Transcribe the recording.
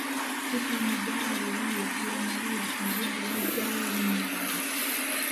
Ssikamidaali oluli e Villa Maria mu Buddu lwajja wa erinnya eryo?